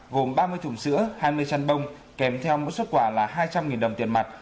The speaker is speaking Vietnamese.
gồm ba mươi thùng sữa hai mươi chăn bông kèm theo mỗi xuất quà là hai trăm linh đồng tiền mặt